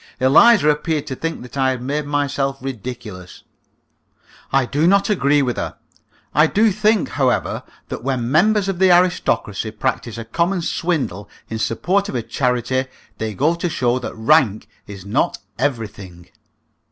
Eliza appeared to think that I had made myself ridiculous. I do not agree with her. I do think, however, that when members of the aristocracy practise a common swindle in support of a charity, they go to show that rank is not everything.